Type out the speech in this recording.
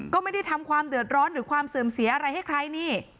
ก็ไม่ได้ทำความเดือดร้อนหรือความเสื่อมเสียอะไรให้ใครนี่